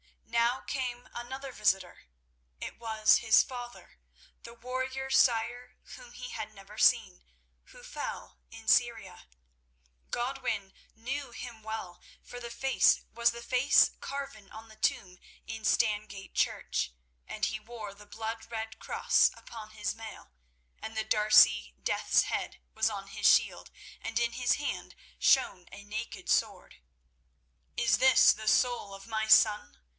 Now came another visitor. It was his father—the warrior sire whom he had never seen, who fell in Syria. Godwin knew him well, for the face was the face carven on the tomb in Stangate church, and he wore the blood red cross upon his mail, and the D'Arcy Death's head was on his shield, and in his hand shone a naked sword. "Is this the soul of my son?"